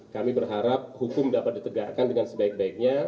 kami berharap hukum dapat ditegakkan dengan sebaik baiknya